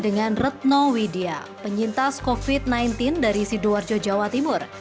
dengan retno widya penyintas covid sembilan belas dari sidoarjo jawa timur